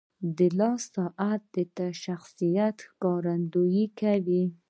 • د لاس ساعت د شخصیت ښکارندویي کوي.